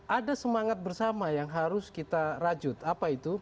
ada semangat bersama yang harus kita rajut apa itu